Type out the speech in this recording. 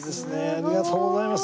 ありがとうございます！